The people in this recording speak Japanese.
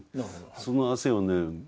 その汗をね